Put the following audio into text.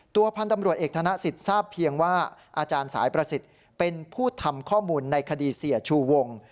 พันธุ์ตำรวจเอกธนสิทธิ์ทราบเพียงว่าอาจารย์สายประสิทธิ์เป็นผู้ทำข้อมูลในคดีเสียชูวง